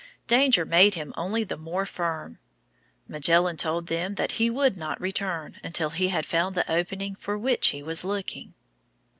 Danger made him only the more firm. Magellan told them that he would not return until he had found the opening for which he was looking.